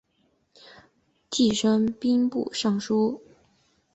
继升兵部尚书。